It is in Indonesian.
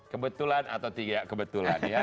kebetulan atau tidak kebetulan ya